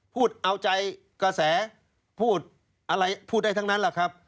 พูดเอาใจกระแสพูดอะไรพูดได้ทั้งนั้นแหละครับ